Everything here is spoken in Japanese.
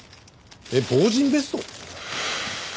えっ防刃ベスト？